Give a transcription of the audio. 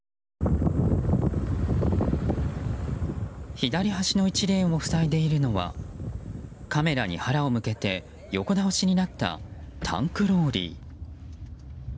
左端の１レーンを塞いでいるのはカメラに腹を向けて横倒しになったタンクローリー。